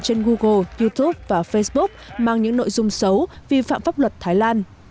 trên google youtube và facebook mang những nội dung xấu vi phạm pháp luật thái lan